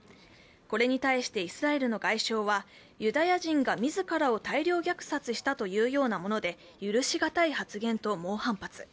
これに対してイスラエルの外相はユダヤ人が自らを大量虐殺したと言うようなもので、許しがたい発言と猛反発。